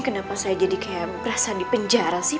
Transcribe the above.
kenapa saya jadi kayak kerasan di penjara sih